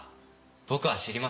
僕は知りません。